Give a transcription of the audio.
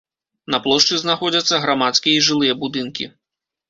На плошчы знаходзяцца грамадскія і жылыя будынкі.